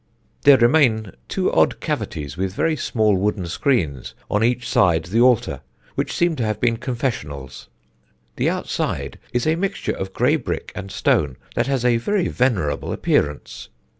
There remain two odd cavities, with very small wooden screens on each side the altar, which seem to have been confessionals. The outside is a mixture of grey brick and stone, that has a very venerable appearance.